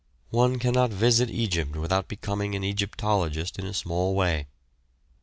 One cannot visit Egypt without becoming an Egyptologist in a small way.